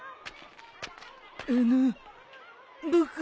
あのう僕。